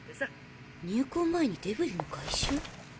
入港前にデブリの回収？